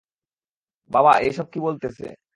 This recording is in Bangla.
বাবা, এসব কি বলতেছে?